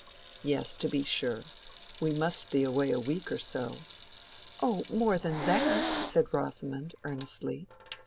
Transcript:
"Yes, to be sure. We must be away a week or so." "Oh, more than that!" said Rosamond, earnestly.